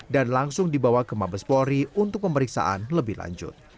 dan langsung dibawa ke mabespori untuk pemeriksaan lebih lanjut